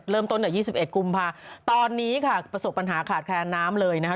เริ่มต้นจาก๒๑กุมภาคตอนนี้ค่ะประสบปัญหาขาดแคลนน้ำเลยนะฮะ